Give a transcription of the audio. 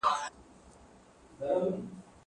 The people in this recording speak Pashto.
زه اوس لوبه کوم!